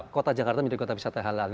kota jakarta menjadi kota wisata halal